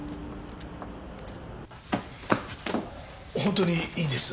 本当にいいです。